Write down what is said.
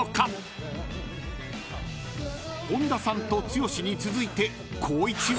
［本田さんと剛に続いて］